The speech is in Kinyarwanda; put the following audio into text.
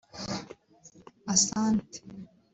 Asante